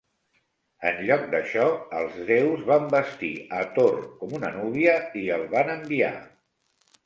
En lloc d'això, els déus van vestir a Thor com una núvia i el van enviar.